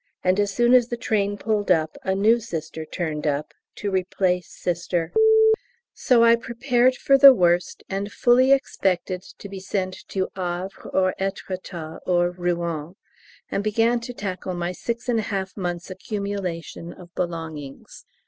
and as soon as the train pulled up a new Sister turned up "to replace Sister ," so I prepared for the worst and fully expected to be sent to Havre or Êtretat or Rouen, and began to tackle my six and a half months' accumulation of belongings.